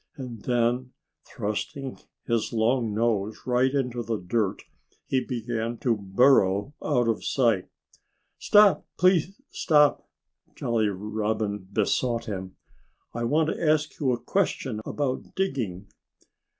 And then, thrusting his long nose right into the dirt, he began to burrow out of sight. "Stop! Please stop!" Jolly Robin besought him. "I want to ask you a question about digging."